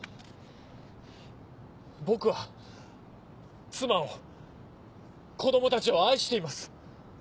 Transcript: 僕は妻を子供たちを愛しています。